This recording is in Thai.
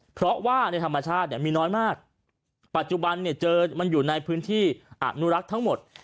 เพราะว่าในธรรมชาติเนี่ยมีน้อยมากปัจจุบันเนี่ยเจอมันอยู่ในพื้นที่อนุรักษ์ทั้งหมด